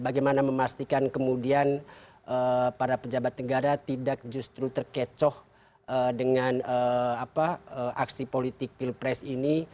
bagaimana memastikan kemudian para pejabat negara tidak justru terkecoh dengan aksi politik pilpres ini